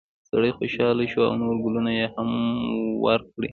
سړی خوشحاله شو او نور ګلونه یې هم وکري.